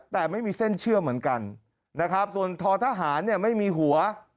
แต่ไม่มีเส้นเชื่อเหมือนกันนะครับส่วนทอทหารเนี่ยไม่มีหัว